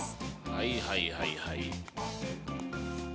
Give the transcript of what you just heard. はいはいはいはい。